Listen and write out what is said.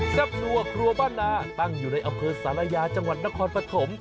บนัวครัวบ้านนาตั้งอยู่ในอำเภอศาลายาจังหวัดนครปฐม